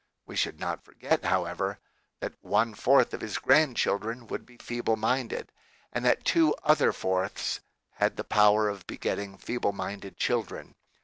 We should not forget, how ever, that one fourth of his grandchildren would be feeble minded and that two other fourths had the power of begetting feeble minded children.